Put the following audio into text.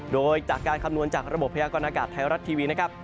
โดยจากการคำนวณจากระบบพยากรณากาศไทยรัฐทีวีนะครับ